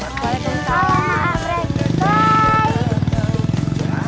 waalaikumsalam kak fren bye